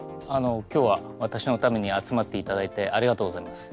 今日は私のために集まっていただいてありがとうございます。